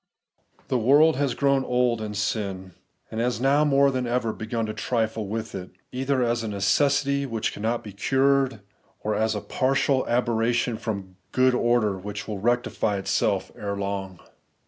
The world has grown old in sin, and has now more than ever begun to trifle with it, either as a necessity which cannot be cured, or a partial aber ration from good order which will rectify itseK ere long.